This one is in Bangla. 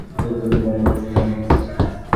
তো, তুমি মনে করছো গ্রামের কেও দেখেছে?